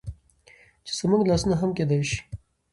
چې زموږ لاسونه هم کيدى شي